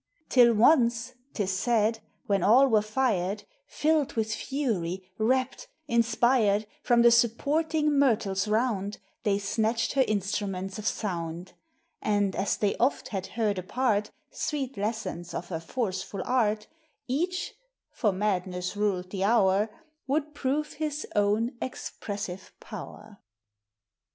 Till once, 't is said, when all were fired, Filled with fury, rapt, inspired, From the supporting myrtles round They snatched her instruments of sound ; And, as they oft had heard apart Sweet lessons of her forceful art, Each (for madness ruled the hour) Would prove his own expressive power.